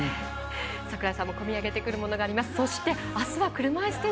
櫻井さんも込み上げてくるものがあります。